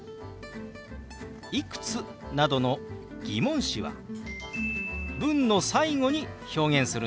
「いくつ？」などの疑問詞は文の最後に表現するんでしたね。